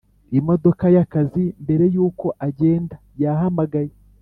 imodoka yakazi mbere yuko agenda yahamagaye